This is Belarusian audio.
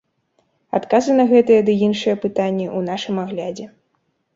Адказы на гэтыя ды іншыя пытанні ў нашым аглядзе.